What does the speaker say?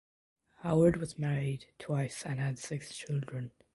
Howard was married twice and had six children.